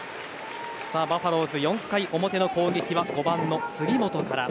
バファローズ４回表の攻撃は５番の杉本から。